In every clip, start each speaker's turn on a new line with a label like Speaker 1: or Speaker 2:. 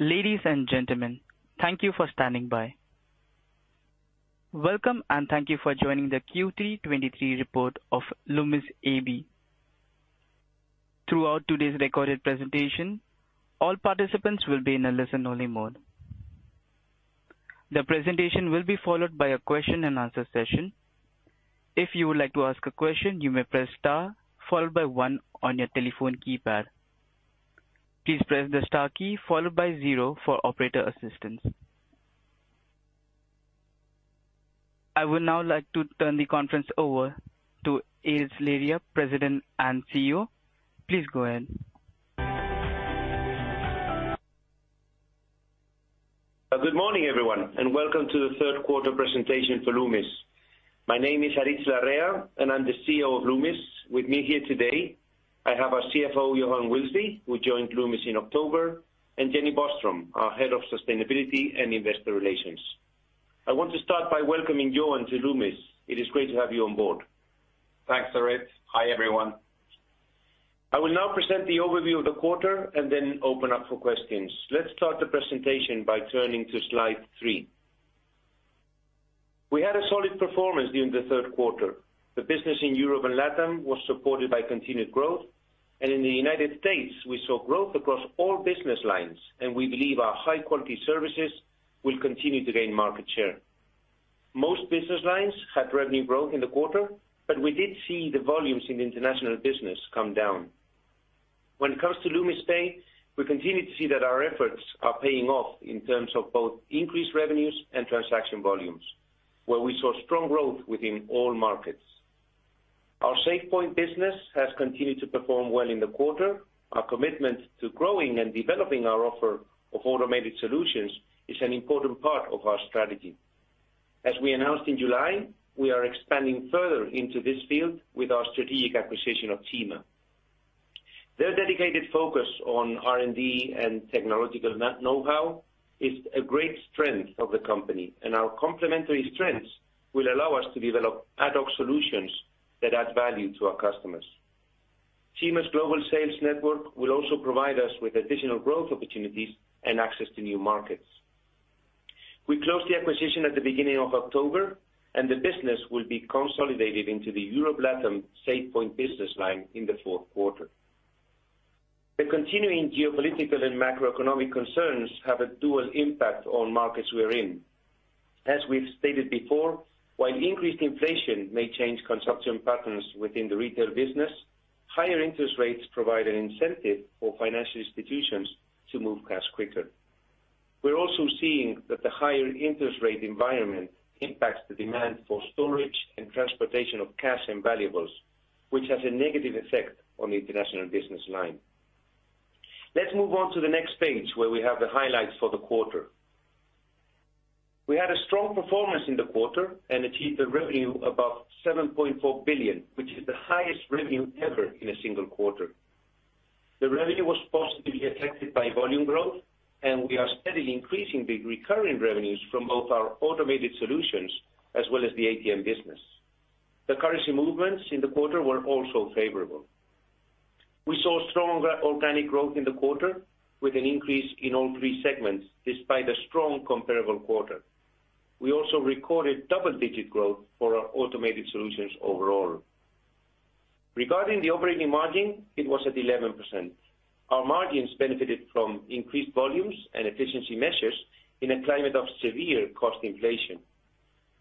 Speaker 1: Ladies and gentlemen, thank you for standing by. Welcome, and thank you for joining the Q3 2023 report of Loomis AB. Throughout today's recorded presentation, all participants will be in a listen-only mode. The presentation will be followed by a question-and-answer session. If you would like to ask a question, you may press star followed by one on your telephone keypad. Please press the star key followed by zero for operator assistance. I would now like to turn the conference over to Aritz Larrea, President and CEO. Please go ahead.
Speaker 2: Good morning, everyone, and welcome to the third quarter presentation for Loomis. My name is Aritz Larrea, and I'm the CEO of Loomis. With me here today, I have our CFO, Johan Wilsby, who joined Loomis in October, and Jenny Boström, our Head of Sustainability and Investor Relations. I want to start by welcoming Johan to Loomis. It is great to have you on board.
Speaker 3: Thanks, Aritz. Hi, everyone.
Speaker 2: I will now present the overview of the quarter and then open up for questions. Let's start the presentation by turning to slide three. We had a solid performance during the third quarter. The business in Europe and LATAM was supported by continued growth, and in the United States, we saw growth across all business lines, and we believe our high-quality services will continue to gain market share. Most business lines had revenue growth in the quarter, but we did see the volumes in the international business come down. When it comes to Loomis Pay, we continue to see that our efforts are paying off in terms of both increased revenues and transaction volumes, where we saw strong growth within all markets. Our SafePoint business has continued to perform well in the quarter. Our commitment to growing and developing our offer of automated solutions is an important part of our strategy. As we announced in July, we are expanding further into this field with our strategic acquisition of CIMA. Their dedicated focus on R&D and technological know-how is a great strength of the company, and our complementary strengths will allow us to develop ad hoc solutions that add value to our customers. CIMA's global sales network will also provide us with additional growth opportunities and access to new markets. We closed the acquisition at the beginning of October, and the business will be consolidated into the Europe, LATAM, SafePoint business line in the fourth quarter. The continuing geopolitical and macroeconomic concerns have a dual impact on markets we're in. As we've stated before, while increased inflation may change consumption patterns within the retail business, higher interest rates provide an incentive for financial institutions to move cash quicker. We're also seeing that the higher interest rate environment impacts the demand for storage and transportation of cash and valuables, which has a negative effect on the international business line. Let's move on to the next page, where we have the highlights for the quarter. We had a strong performance in the quarter and achieved a revenue above 7.4 billion, which is the highest revenue ever in a single quarter. The revenue was positively affected by volume growth, and we are steadily increasing the recurring revenues from both our automated solutions as well as the ATM business. The currency movements in the quarter were also favorable. We saw strong organic growth in the quarter, with an increase in all three segments, despite a strong comparable quarter. We also recorded double-digit growth for our automated solutions overall. Regarding the operating margin, it was at 11%. Our margins benefited from increased volumes and efficiency measures in a climate of severe cost inflation.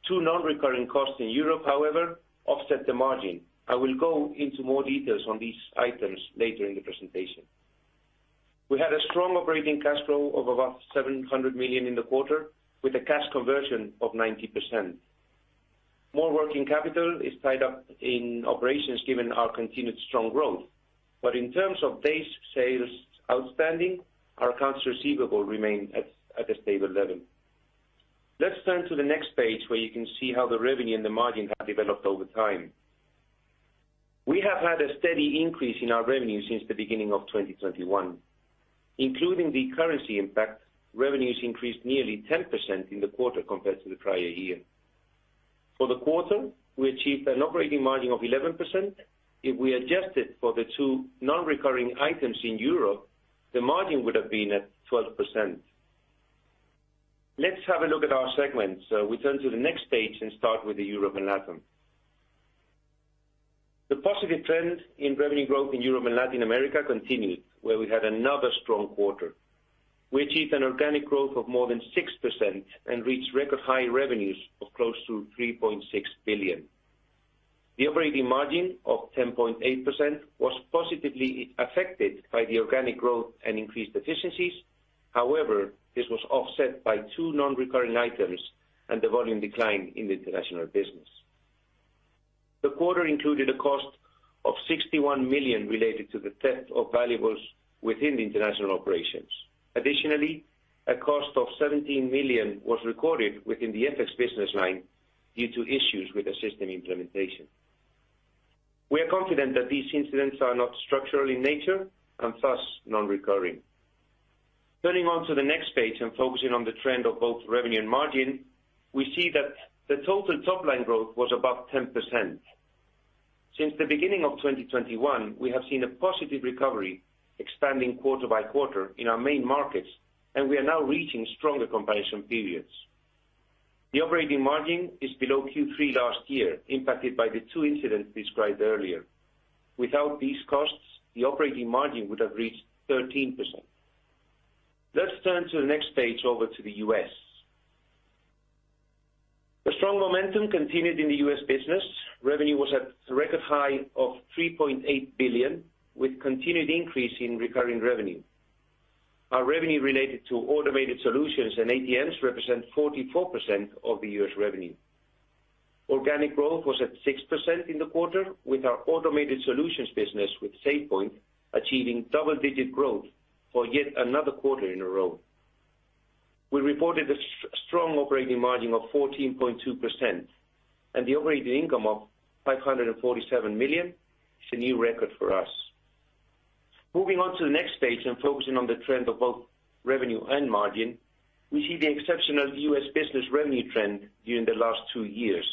Speaker 2: Two non-recurring costs in Europe, however, offset the margin. I will go into more details on these items later in the presentation. We had a strong operating cash flow of about 700 million in the quarter, with a cash conversion of 90%. More working capital is tied up in operations, given our continued strong growth. But in terms of days sales outstanding, our accounts receivable remain at a stable level. Let's turn to the next page, where you can see how the revenue and the margin have developed over time. We have had a steady increase in our revenue since the beginning of 2021. Including the currency impact, revenues increased nearly 10% in the quarter compared to the prior year. For the quarter, we achieved an operating margin of 11%. If we adjusted for the two non-recurring items in Europe, the margin would have been at 12%. Let's have a look at our segments. We turn to the next page and start with the Europe and LATAM. The positive trend in revenue growth in Europe and Latin America continued, where we had another strong quarter. We achieved an organic growth of more than 6% and reached record high revenues of close to 3.6 billion. The operating margin of 10.8% was positively affected by the organic growth and increased efficiencies. However, this was offset by two non-recurring items and the volume decline in the international business. The quarter included a cost of 61 million related to the theft of valuables within the international operations. Additionally, a cost of 17 million was recorded within the FX business line due to issues with the system implementation. We are confident that these incidents are not structural in nature and thus non-recurring. Turning to the next page and focusing on the trend of both revenue and margin, we see that the total top-line growth was above 10%. Since the beginning of 2021, we have seen a positive recovery expanding quarter by quarter in our main markets, and we are now reaching stronger comparison periods. The operating margin is below Q3 last year, impacted by the two incidents described earlier. Without these costs, the operating margin would have reached 13%. Let's turn to the next page over to the U.S. The strong momentum continued in the U.S. business. Revenue was at a record high of $3.8 billion, with continued increase in recurring revenue. Our revenue related to automated solutions and ATMs represent 44% of the U.S. revenue. Organic growth was at 6% in the quarter, with our automated solutions business with SafePoint achieving double-digit growth for yet another quarter in a row. We reported a strong operating margin of 14.2%, and the operating income of $547 million is a new record for us. Moving on to the next page and focusing on the trend of both revenue and margin, we see the exceptional U.S. business revenue trend during the last two years.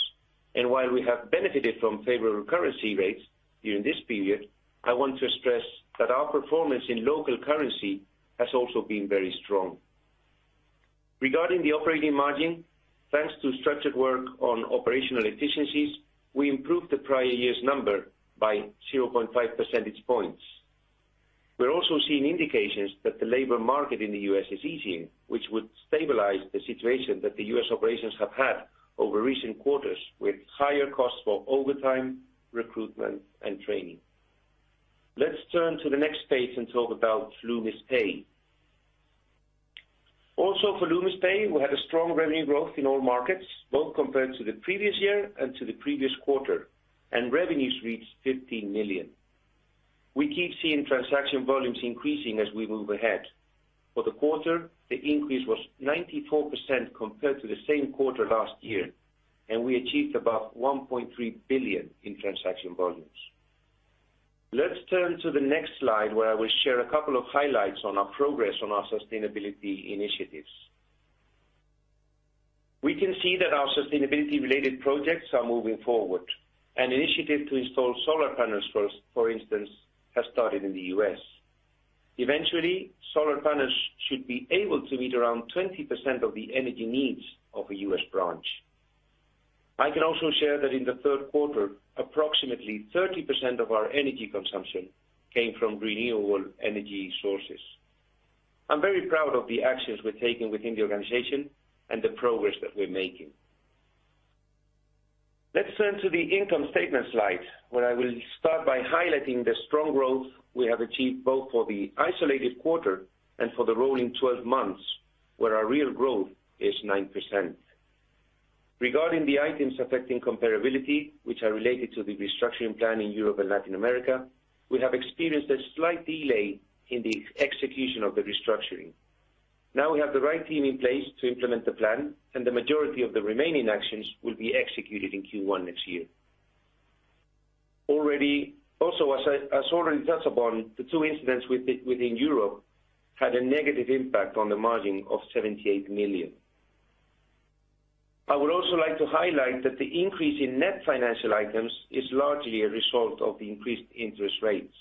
Speaker 2: While we have benefited from favorable currency rates during this period, I want to stress that our performance in local currency has also been very strong. Regarding the operating margin, thanks to structured work on operational efficiencies, we improved the prior year's number by 0.5 percentage points. We're also seeing indications that the labor market in the U.S. is easing, which would stabilize the situation that the U.S. operations have had over recent quarters, with higher costs for overtime, recruitment, and training. Let's turn to the next page and talk about Loomis Pay. Also, for Loomis Pay, we had a strong revenue growth in all markets, both compared to the previous year and to the previous quarter, and revenues reached 15 million. We keep seeing transaction volumes increasing as we move ahead. For the quarter, the increase was 94% compared to the same quarter last year, and we achieved above 1.3 billion in transaction volumes. Let's turn to the next slide, where I will share a couple of highlights on our progress on our sustainability initiatives. We can see that our sustainability-related projects are moving forward. An initiative to install solar panels, for instance, has started in the U.S. Eventually, solar panels should be able to meet around 20% of the energy needs of a U.S. branch. I can also share that in the third quarter, approximately 30% of our energy consumption came from renewable energy sources. I'm very proud of the actions we're taking within the organization and the progress that we're making. Let's turn to the income statement slide, where I will start by highlighting the strong growth we have achieved, both for the isolated quarter and for the rolling 12 months, where our real growth is 9%. Regarding the items affecting comparability, which are related to the restructuring plan in Europe and Latin America, we have experienced a slight delay in the execution of the restructuring. Now we have the right team in place to implement the plan, and the majority of the remaining actions will be executed in Q1 next year. Also, as already touched upon, the two incidents within Europe had a negative impact on the margin of 78 million. I would also like to highlight that the increase in net financial items is largely a result of the increased interest rates.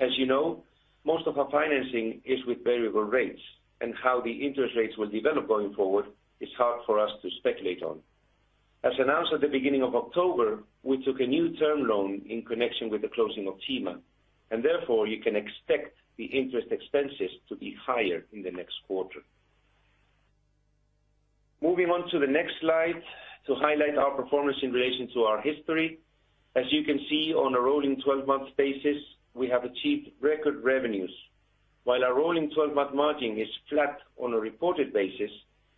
Speaker 2: As you know, most of our financing is with variable rates, and how the interest rates will develop going forward is hard for us to speculate on. As announced at the beginning of October, we took a new term loan in connection with the closing of CIMA, and therefore, you can expect the interest expenses to be higher in the next quarter. Moving on to the next slide, to highlight our performance in relation to our history. As you can see, on a rolling 12-month basis, we have achieved record revenues. While our rolling 12-month margin is flat on a reported basis,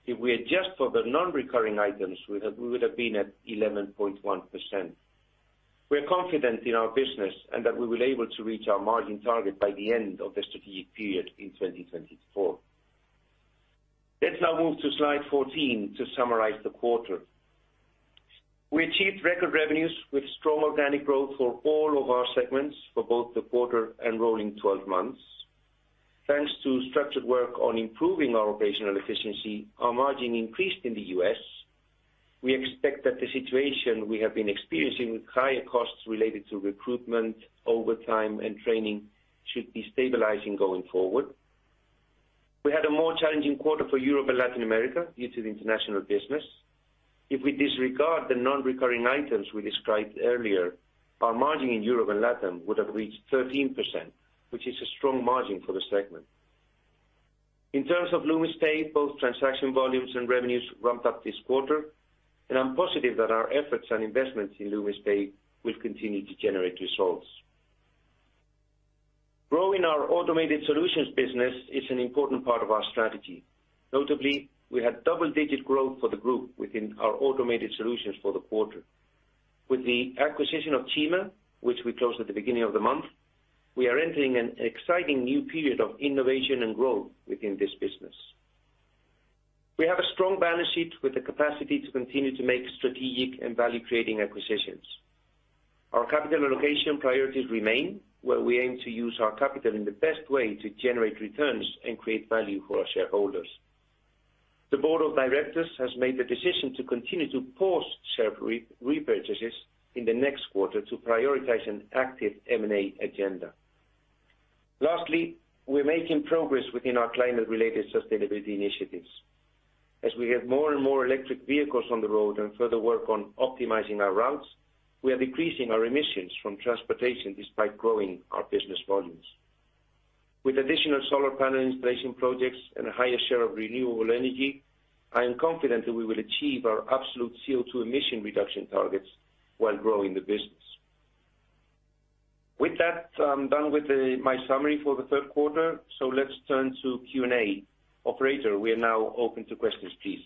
Speaker 2: if we adjust for the non-recurring items, we would have been at 11.1%. We're confident in our business and that we will able to reach our margin target by the end of the strategic period in 2024. Let's now move to slide 14 to summarize the quarter. We achieved record revenues with strong organic growth for all of our segments for both the quarter and rolling 12 months. Thanks to structured work on improving our operational efficiency, our margin increased in the U.S. We expect that the situation we have been experiencing with higher costs related to recruitment, overtime, and training should be stabilizing going forward. We had a more challenging quarter for Europe and Latin America due to the international business. If we disregard the non-recurring items we described earlier, our margin in Europe and Latin would have reached 13%, which is a strong margin for the segment. In terms of Loomis Pay, both transaction volumes and revenues ramped up this quarter, and I'm positive that our efforts and investments in Loomis Pay will continue to generate results. Growing our automated solutions business is an important part of our strategy. Notably, we had double-digit growth for the group within our automated solutions for the quarter. With the acquisition of CIMA, which we closed at the beginning of the month, we are entering an exciting new period of innovation and growth within this business. We have a strong balance sheet with the capacity to continue to make strategic and value-creating acquisitions. Our capital allocation priorities remain, where we aim to use our capital in the best way to generate returns and create value for our shareholders. The board of directors has made the decision to continue to pause share repurchases in the next quarter to prioritize an active M&A agenda. Lastly, we're making progress within our climate-related sustainability initiatives. As we have more and more electric vehicles on the road and further work on optimizing our routes, we are decreasing our emissions from transportation despite growing our business volumes. With additional solar panel installation projects and a higher share of renewable energy, I am confident that we will achieve our absolute CO2 emission reduction targets while growing the business. With that, I'm done with my summary for the third quarter, so let's turn to Q&A. Operator, we are now open to questions, please.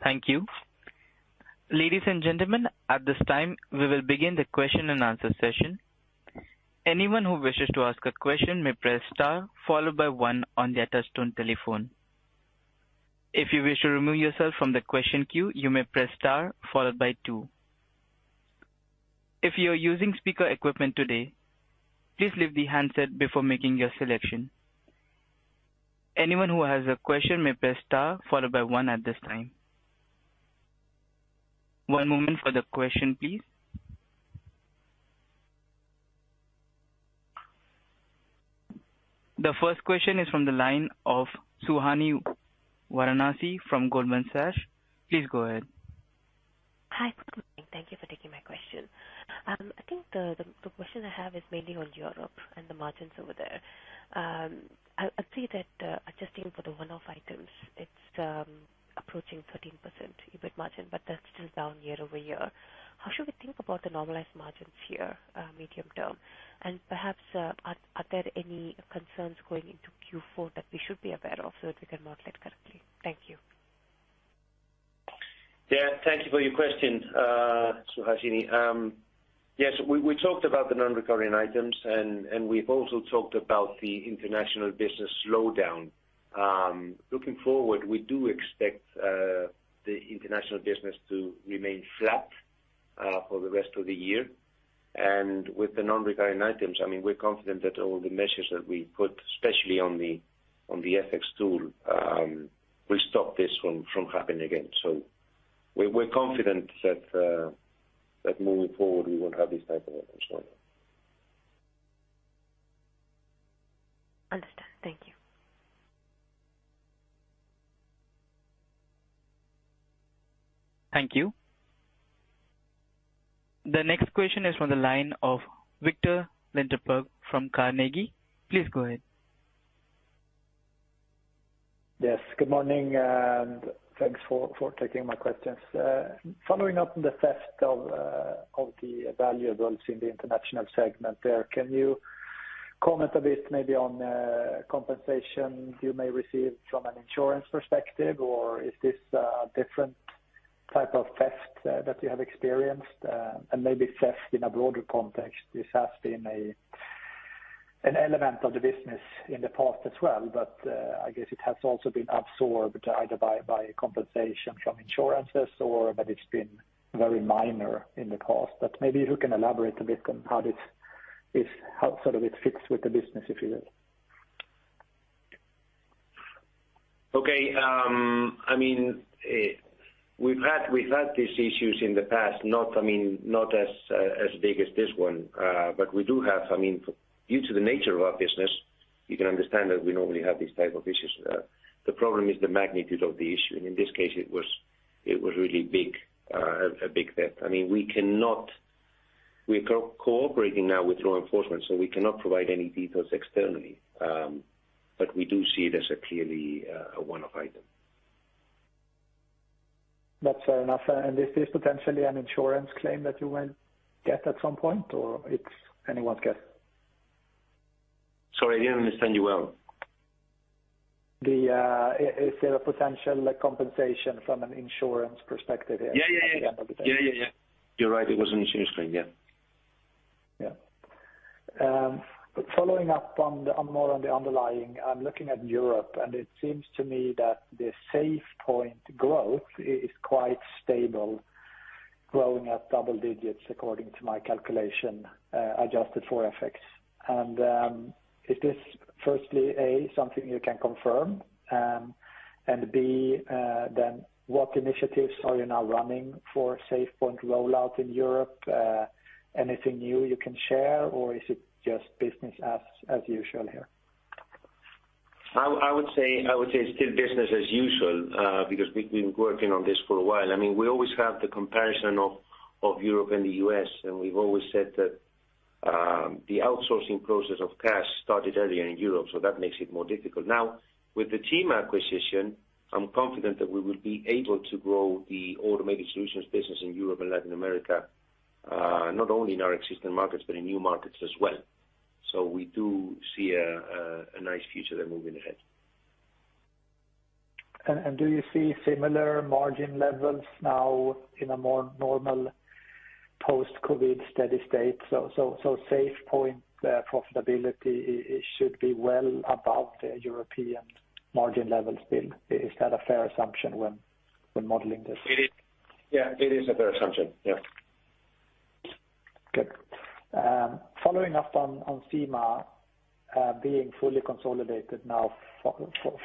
Speaker 1: Thank you. Ladies and gentlemen, at this time, we will begin the question-and-answer session. Anyone who wishes to ask a question may press star followed by one on their touchtone telephone. If you wish to remove yourself from the question queue, you may press star followed by two. If you are using speaker equipment today, please leave the handset before making your selection. Anyone who has a question may press star followed by one at this time. One moment for the question, please. The first question is from the line of [Suhasini Varanasi] from Goldman Sachs. Please go ahead.
Speaker 4: Hi, good morning. Thank you for taking my question. I think the question I have is mainly on Europe and the margins over there. I see that, adjusting for the one-off items, it's approaching 13% EBIT margin, but that's still down year-over-year. How should we think about the normalized margins here, medium-term? And perhaps, are there any concerns going into Q4 that we should be aware of so that we can model it correctly? Thank you.
Speaker 2: Yeah, thank you for your question, [Suhasini]. Yes, we talked about the non-recurring items, and we've also talked about the international business slowdown. Looking forward, we do expect the international business to remain flat for the rest of the year. And with the non-recurring items, I mean, we're confident that all the measures that we put, especially on the FX tool, will stop this from happening again. So we're confident that moving forward, we won't have this type of item, sorry.
Speaker 5: Understood. Thank you.
Speaker 1: Thank you. The next question is from the line of Viktor Lindeberg from Carnegie. Please go ahead.
Speaker 6: Yes, good morning, and thanks for taking my questions. Following up on the theft of the valuables in the international segment there, can you comment a bit maybe on compensation you may receive from an insurance perspective, or is this a different type of theft that you have experienced? And maybe theft in a broader context. This has been an element of the business in the past as well, but I guess it has also been absorbed either by compensation from insurances or that it's been very minor in the past. But maybe you can elaborate a bit on how this is, how sort of it fits with the business, if you will.
Speaker 2: Okay, I mean, we've had these issues in the past, not I mean, not as, as big as this one, but we do have, I mean, due to the nature of our business, you can understand that we normally have these type of issues. The problem is the magnitude of the issue, and in this case, it was really a big theft. We're cooperating now with law enforcement, so we cannot provide any details externally. But we do see it as clearly a one-off item.
Speaker 6: That's fair enough. And is this potentially an insurance claim that you will get at some point, or it's anyone's guess?
Speaker 2: Sorry, I didn't understand you well.
Speaker 6: Is there a potential compensation from an insurance perspective here at the end of the day?
Speaker 2: Yeah, yeah. You're right. It was an insurance claim. Yeah.
Speaker 6: Yeah. But following up on the underlying, I'm looking at Europe, and it seems to me that the SafePoint growth is quite stable, growing at double digits, according to my calculation, adjusted for FX. And, is this firstly, B, something you can confirm? And B, then what initiatives are you now running for SafePoint rollout in Europe? Anything new you can share, or is it just business as usual here?
Speaker 2: I would say still business as usual, because we've been working on this for a while. I mean, we always have the comparison of Europe and the U.S., and we've always said that the outsourcing process of cash started earlier in Europe, so that makes it more difficult. Now, with the CIMA acquisition, I'm confident that we will be able to grow the Automated Solutions business in Europe and Latin America, not only in our existing markets, but in new markets as well. So we do see a nice future there moving ahead.
Speaker 6: Do you see similar margin levels now in a more normal post-COVID steady state? So SafePoint profitability, it should be well above the European margin levels still. Is that a fair assumption when modeling this?
Speaker 2: It is. Yeah, it is a fair assumption. Yes.
Speaker 6: Good. Following up on, on CIMA, being fully consolidated now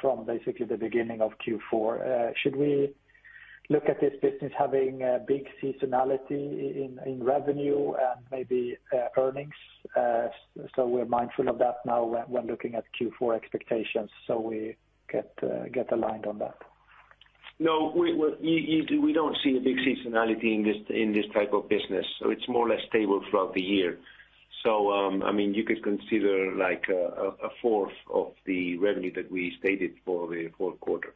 Speaker 6: from basically the beginning of Q4, should we look at this business having a big seasonality in revenue and maybe, earnings? So we're mindful of that now when, when looking at Q4 expectations, so we get aligned on that.
Speaker 2: No, we usually don't see a big seasonality in this type of business. So it's more or less stable throughout the year. So, I mean, you could consider like a fourth of the revenue that we stated for the fourth quarter.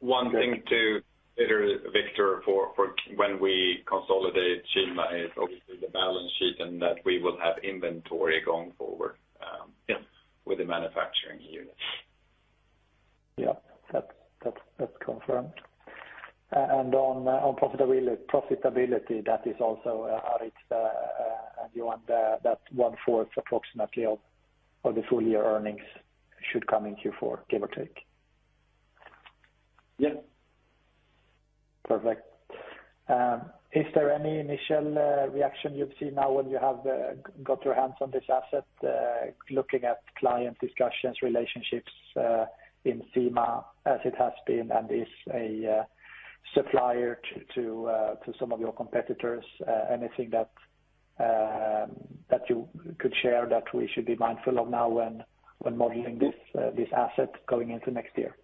Speaker 3: One thing to consider, Viktor, for when we consolidate CIMA is obviously the balance sheet and that we will have inventory going forward with the manufacturing units.
Speaker 6: Yeah, that's confirmed. And on profitability, that is also Aritz's, and you want that 1/4 approximately of the full year earnings should come in Q4, give or take?
Speaker 2: Yes.
Speaker 6: Perfect. Is there any initial reaction you've seen now when you have got your hands on this asset, looking at client discussions, relationships, in CIMA, as it has been and is a supplier to some of your competitors? Anything that you could share that we should be mindful of now when modeling this asset going into next year?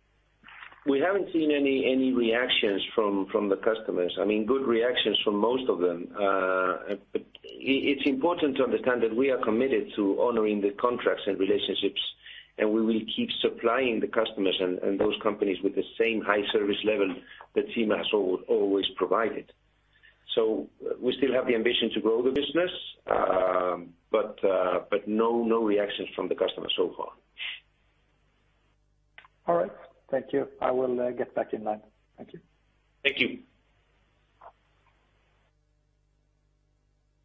Speaker 2: We haven't seen any reactions from the customers. I mean, good reactions from most of them. But it's important to understand that we are committed to honoring the contracts and relationships, and we will keep supplying the customers and those companies with the same high service level that CIMA has always provided. So we still have the ambition to grow the business, but no reactions from the customers so far.
Speaker 6: All right. Thank you. I will get back in line. Thank you.
Speaker 2: Thank you.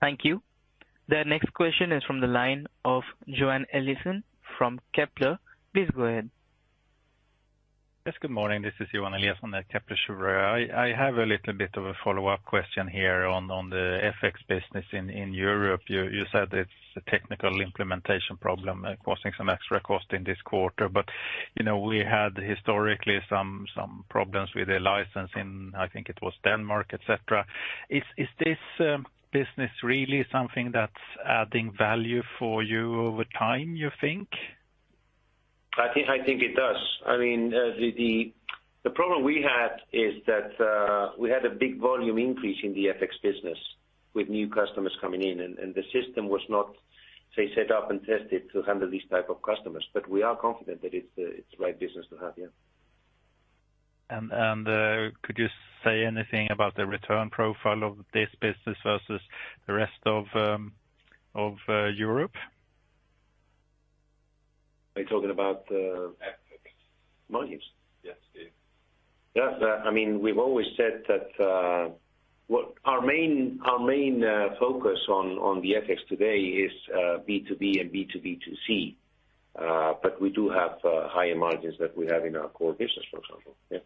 Speaker 1: Thank you. The next question is from the line of Johan Eliason from Kepler. Please go ahead.
Speaker 7: Yes, good morning. This is Johan Eliason at Kepler Cheuvreux. I have a little bit of a follow-up question here on the FX business in Europe. You said it's a technical implementation problem causing some extra cost in this quarter. But, you know, we had historically some problems with the license in, I think it was Denmark, etc. Is this business really something that's adding value for you over time, you think?
Speaker 2: I think it does. I mean, the problem we had is that we had a big volume increase in the FX business with new customers coming in, and the system was not, say, set up and tested to handle these type of customers. But we are confident that it's the right business to have, yeah.
Speaker 7: Could you say anything about the return profile of this business versus the rest of Europe?
Speaker 2: Are you talking about the FX margins?
Speaker 3: Yes, please.
Speaker 2: Yeah, I mean, we've always said that what our main focus on the FX today is B2B and B2B2C. But we do have higher margins that we have in our core business, for example. Yeah.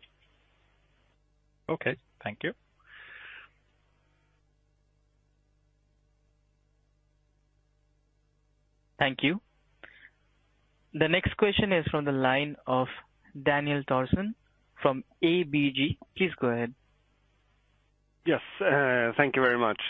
Speaker 7: Okay, thank you.
Speaker 1: Thank you. The next question is from the line of Daniel Thorsson from ABG. Please go ahead.
Speaker 8: Yes, thank you very much.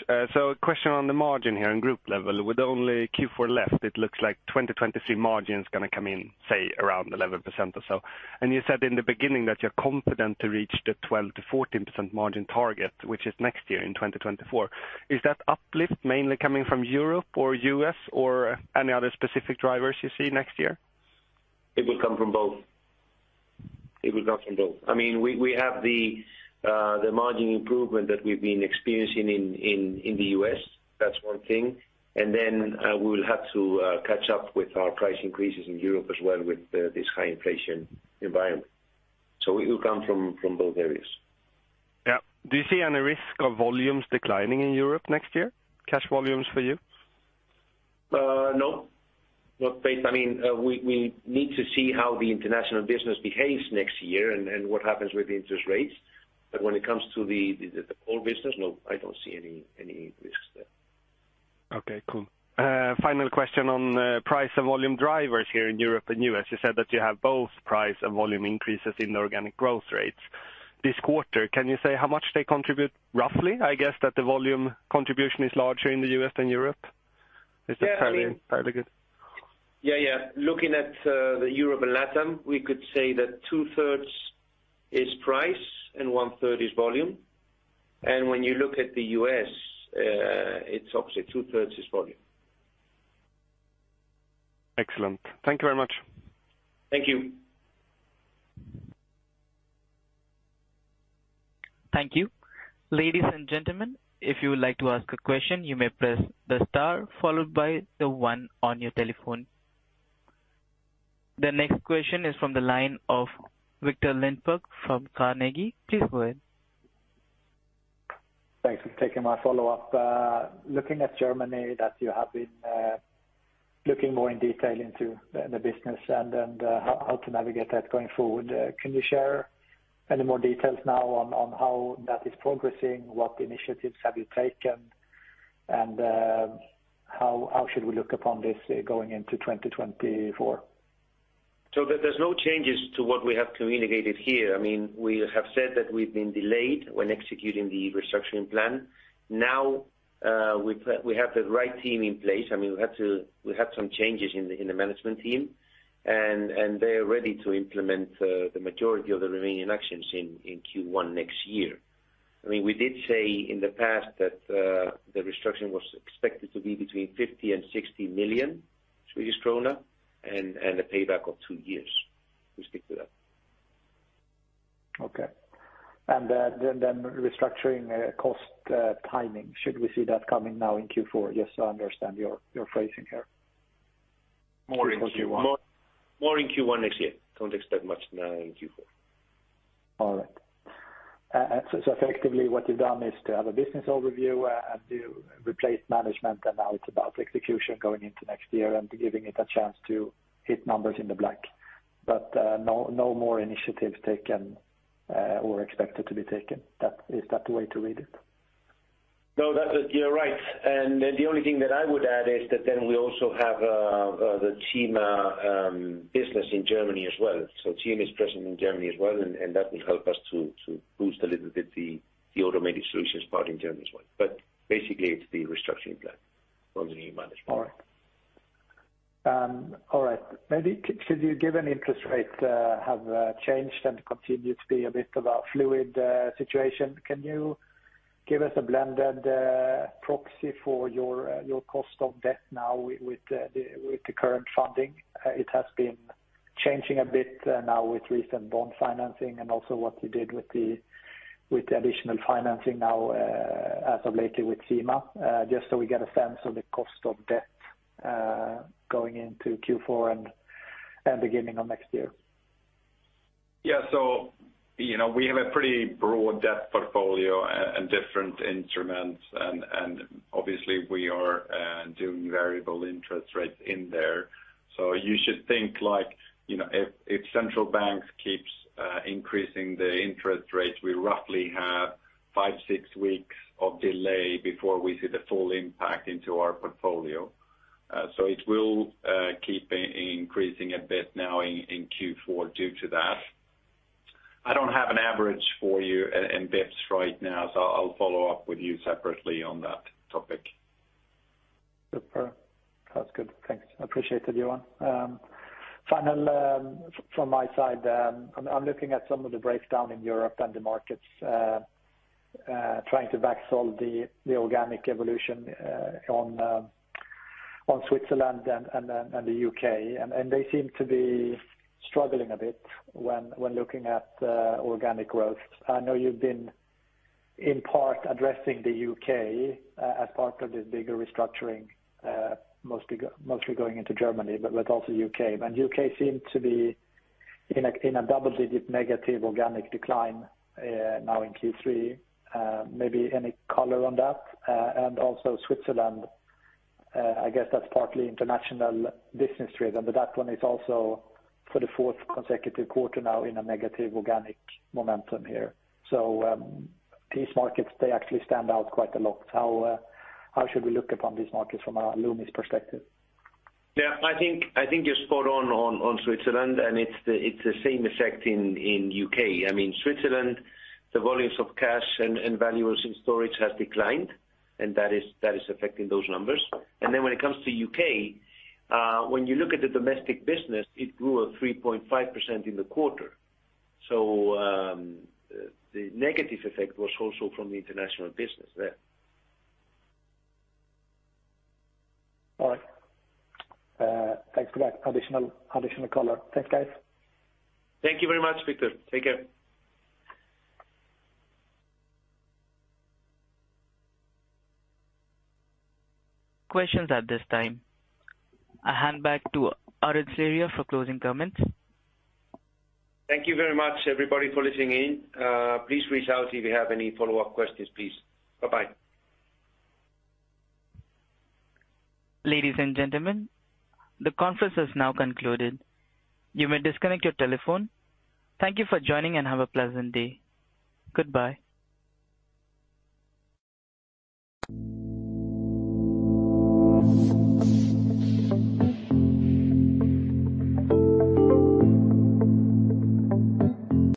Speaker 8: Question on the margin here in group level. With only Q4 left, it looks like 2023 margin is going to come in, say, around 11% or so. You said in the beginning that you're confident to reach the 12%-14% margin target, which is next year in 2024. Is that uplift mainly coming from Europe or U.S. or any other specific drivers you see next year?
Speaker 2: It will come from both. It will come from both. I mean, we have the margin improvement that we've been experiencing in the U.S., that's one thing. And then, we will have to catch up with our price increases in Europe as well, with this high inflation environment. So it will come from both areas.
Speaker 8: Yeah. Do you see any risk of volumes declining in Europe next year? Cash volumes for you?
Speaker 2: No. We need to see how the international business behaves next year and what happens with the interest rates. But when it comes to the core business, no, I don't see any risks there.
Speaker 8: Okay, cool. Final question on price and volume drivers here in Europe and U.S. You said that you have both price and volume increases in the organic growth rates. This quarter, can you say how much they contribute, roughly? I guess that the volume contribution is larger in the U.S. than Europe. Is that fairly, fairly good?
Speaker 2: Yeah. Looking at the Europe and LATAM, we could say that 2/3 is price and 1/3 is volume and when you look at the U.S., it's obviously 2/3 is volume.
Speaker 8: Excellent. Thank you very much.
Speaker 2: Thank you.
Speaker 1: Thank you. Ladies and gentlemen, if you would like to ask a question, you may press the star followed by the one on your telephone. The next question is from the line of Viktor Lindeberg from Carnegie. Please go ahead.
Speaker 6: Thanks for taking my follow-up. Looking at Germany, that you have been looking more in detail into the business and how to navigate that going forward, can you share any more details now on how that is progressing? What initiatives have you taken, and how should we look upon this going into 2024?
Speaker 2: So, there's no changes to what we have communicated here. I mean, we have said that we've been delayed when executing the restructuring plan. Now, we have the right team in place. I mean, we had some changes in the management team, and they are ready to implement the majority of the remaining actions in Q1 next year. I mean, we did say in the past that the restructuring was expected to be between 50 million and 60 million Swedish krona and a payback of two years. We stick to that.
Speaker 6: Okay. And then restructuring cost timing, should we see that coming now in Q4? Just so I understand your phrasing here.
Speaker 2: More in Q1 next year. Don't expect much now in Q4.
Speaker 6: All right. So effectively, what you've done is to have a business overview, and to replace management, and now it's about execution going into next year and giving it a chance to hit numbers in the black. But, no more initiatives taken, or expected to be taken. That is the way to read it?
Speaker 2: No, that, you're right. And then the only thing that I would add is that then we also have the CIMA business in Germany as well. So CIMA is present in Germany as well, and that will help us to boost a little bit the automated solutions part in Germany as well. But basically, it's the restructuring plan from the new management.
Speaker 6: All right. Maybe should you, given interest rates have changed and continued to be a bit of a fluid situation, can you give us a blended proxy for your cost of debt now with the current funding? It has been changing a bit now with recent bond financing and also what you did with the additional financing now as of lately with CIMA. Just so we get a sense of the cost of debt going into Q4 and beginning of next year.
Speaker 3: Yeah. So, you know, we have a pretty broad debt portfolio and different instruments, and obviously, we are doing variable interest rates in there. So you should think like, you know, if central banks keeps increasing the interest rates, we roughly have five, six weeks of delay before we see the full impact into our portfolio. So it will keep increasing a bit now in Q4 due to that. I don't have an average for you in bps right now, so I'll follow up with you separately on that topic.
Speaker 6: Super. That's good. Thanks. I appreciate that, Johan. Final, from my side, I'm looking at some of the breakdown in Europe and the markets, trying to backsolve the organic evolution on Switzerland and the U.K. And they seem to be struggling a bit when looking at organic growth. I know you've been, in part, addressing the U.K. as part of this bigger restructuring, mostly going into Germany, but with also U.K. And U.K. seems to be in a double-digit negative organic decline now in Q3. Maybe any color on that? And also Switzerland, I guess that's partly international business driven, but that one is also, for the fourth consecutive quarter now, in a negative organic momentum here. So, these markets, they actually stand out quite a lot. How should we look upon these markets from a Loomis perspective?
Speaker 2: Yeah, I think you're spot on on Switzerland, and it's the same effect in U.K. I mean, Switzerland, the volumes of cash and values in storage has declined, and that is affecting those numbers. And then when it comes to U.K., when you look at the domestic business, it grew 3.5% in the quarter. So, the negative effect was also from the international business there.
Speaker 6: All right. Thanks for that additional color. Thanks, guys.
Speaker 2: Thank you very much, Viktor. Take care.
Speaker 1: Questions at this time. I hand back to Aritz Larrea for closing comments.
Speaker 2: Thank you very much, everybody, for listening in. Please reach out if you have any follow-up questions, please. Bye-bye.
Speaker 1: Ladies and gentlemen, the conference has now concluded. You may disconnect your telephone. Thank you for joining, and have a pleasant day. Goodbye.